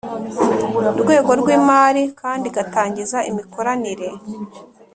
Rwego rw imari kandi igatangiza imikoranire